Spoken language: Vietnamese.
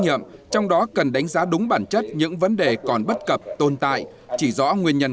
nghiệm trong đó cần đánh giá đúng bản chất những vấn đề còn bất cập tồn tại chỉ rõ nguyên nhân